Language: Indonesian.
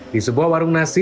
di sebuah warung nasi